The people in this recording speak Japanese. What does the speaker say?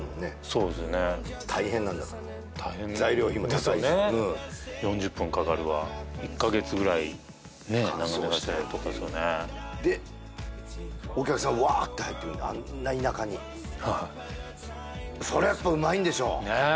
そうですよね大変なんだから材料費も高いし４０分かかるわ１カ月ぐらいね乾燥してでお客さんわあって入ってくんだあんな田舎にそりゃやっぱうまいんでしょうねえ！